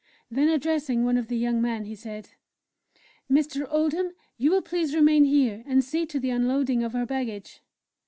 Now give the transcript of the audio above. Then, addressing one of the young men, he said: "Mr. Oldham, you will please remain here and see to the unloading of our baggage."